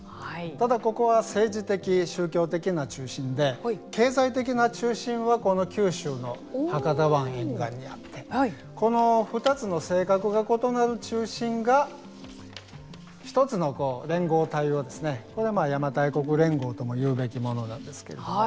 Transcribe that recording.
ただ、ここは政治的、宗教的な中心で経済的な中心はこの九州の博多湾沿岸にあってこの２つの性格が異なる中心が１つの連合体をこれ、邪馬台国連合とも言うべきものなんですけれども。